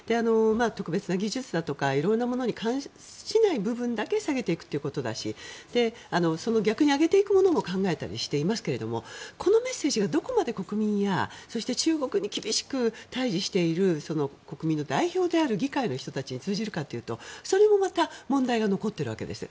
特別な技術だとか色々なものに関しない部分についてだけ下げていくということだし逆に上げていくものも考えたりしていますがこのメッセージがどこまで国民や中国に厳しく対峙している国民の代表である議会の人たちに通じるかというと、それもまた問題が残っているわけです。